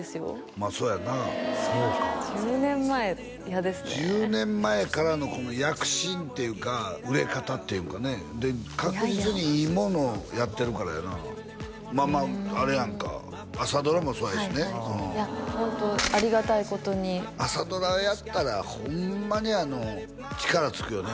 まあそうやな１０年前嫌ですね１０年前からのこの躍進っていうか売れ方っていうかねで確実にいいものをやってるからやなまあまああれやんか朝ドラもそうやしねいやホントありがたいことに朝ドラやったらホンマに力つくよね